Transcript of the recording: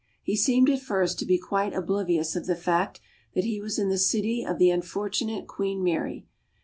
He seemed at first to be quite oblivious of the fact that he was in the city of the unfortunate Queen Mary.